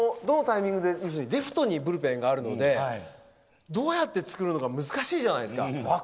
レフトにブルペンがあってどうやって作るのか難しいじゃないですか。